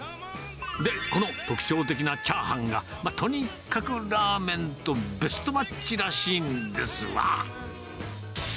で、この特徴的なチャーハンが、とにかくラーメンとベストマッチらしいんですわ。